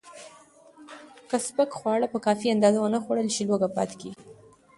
که سپک خواړه په کافي اندازه ونه خورل شي، لوږه پاتې کېږي.